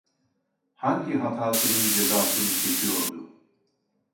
Hangi hatasının cezasını çekiyordu.